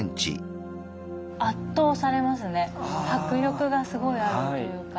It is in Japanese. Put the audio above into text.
迫力がすごいあるというか。